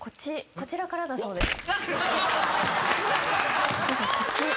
こちらからだそうです。